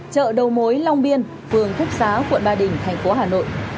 chợ đầu mối long biên phường phúc xá quận ba đình thành phố hà nội